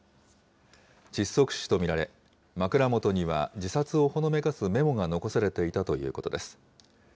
窒息死と見られ、枕元には自殺をほのめかすメモが残されていたということです。